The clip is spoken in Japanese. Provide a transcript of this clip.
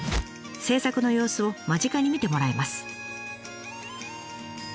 制作の様子を間近に見てもらえます。